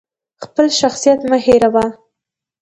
خپل شخصیت مه هیروه!